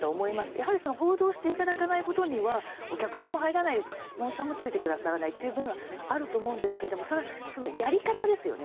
やはり報道していただかないことにはお客さんも入らないですしスポンサーもついてくださらないというそういうこともあると思うんですけどもそのやり方ですよね。